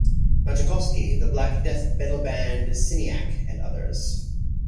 Majakovski, the black death metal band Syniac and others.